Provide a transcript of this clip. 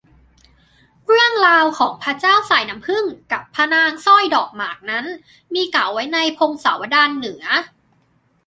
เรื่องราวของพระเจ้าสายน้ำผึ้งกับพระนางสร้อยดอกหมากนั้น มีกล่าวไว้ในพงศาวดารเหนือ